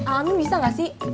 alamin bisa enggak sih